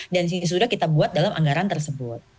dan ini sudah kita buat dalam anggaran tersebut